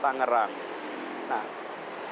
sambung dengan kota tangerang